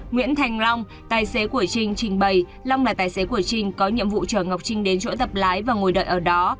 nguyễn thành long tài xế của trình trình bày long là tài xế của trinh có nhiệm vụ chở ngọc trinh đến chỗ tập lái và ngồi đợi ở đó